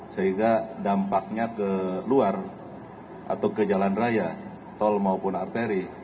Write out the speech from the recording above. sehingga dampaknya ke luar atau ke jalan raya tol maupun arteri